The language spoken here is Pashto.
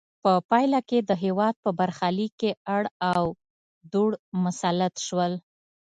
په پایله کې د هېواد په برخه لیک کې اړ او دوړ مسلط شول.